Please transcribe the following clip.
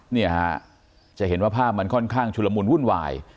เนี่ยฮะจะเห็นว่าภาพมันค่อนข้างชุลมุนวุ่นวาย